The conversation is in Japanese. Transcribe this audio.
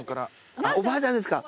おばあちゃんですか。